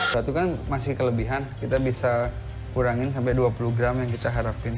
suatu kan masih kelebihan kita bisa kurangin sampai dua puluh gram yang kita harapin